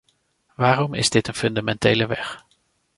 Waarom is dit een fundamentele weg?